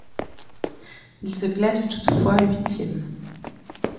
Il se classe toutefois huitième.